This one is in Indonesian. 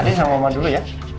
ini sama mama dulu ya